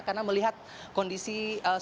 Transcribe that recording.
karena melihat kondisi sumbernya